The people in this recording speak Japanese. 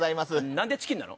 何でチキンなの？